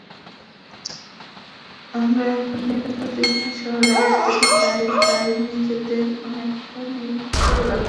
আমরা এখন নিরাপদ একটি শহরে আসতে পেরেছি, তাই নিজেদের অনেকটা নির্ভার লাগছে।